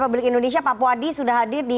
republik indonesia pak puadi sudah hadir di